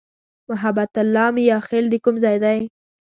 محبت الله "میاخېل" د کوم ځای دی؟